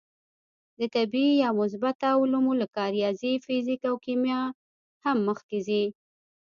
د طبعي یا مثبته علومو لکه ریاضي، فیزیک او کیمیا هم مخکې ځي.